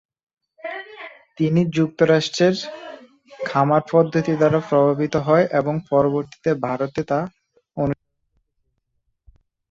তিনি যুক্তরাষ্ট্রের খামার পদ্ধতি দ্বারা প্রভাবিত হন এবং পরবর্তীতে ভারতে তা অনুসরণ করতে চেয়েছিলেন।